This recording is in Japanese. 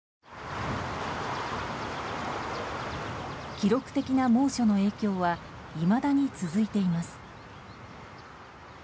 記録的な猛暑の影響はいまだに続いています。